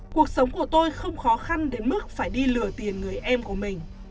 cuộc sống của tôi không khó khăn đến mức phải đi lừa tiền người em của mình